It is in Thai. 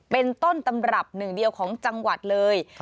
เป็นต้นตำรับหนึ่งเดียวของจังหวัดเลย